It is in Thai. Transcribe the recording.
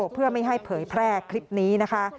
เพื่อไม่ให้เผยแพร่คลิปนี้นะคะ